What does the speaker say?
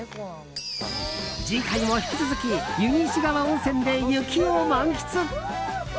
次回も引き続き湯西川温泉で雪を満喫。